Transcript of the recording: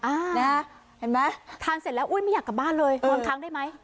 เห็นไหมทานเสร็จแล้วอุ้ยไม่อยากกลับบ้านเลยโดนค้างได้ไหม